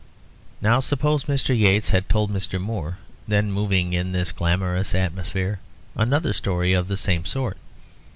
Now suppose Mr. Yeats had told Mr. Moore, then moving in this glamorous atmosphere, another story of the same sort.